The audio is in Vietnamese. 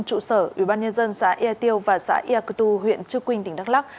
trụ sở ubnd xã ea tiêu và xã ea cơ tu huyện trư quynh tỉnh đắk lắc